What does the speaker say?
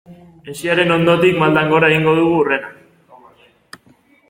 Hesiaren ondotik maldan gora egingo dugu hurrena.